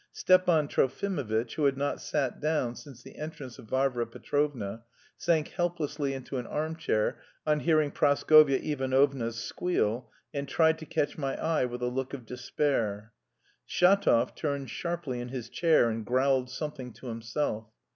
Stepan Trofimovitch, who had not sat down since the entrance of Varvara Petrovna, sank helplessly into an arm chair on hearing Praskovya Ivanovna's squeal, and tried to catch my eye with a look of despair. Shatov turned sharply in his chair, and growled something to himself.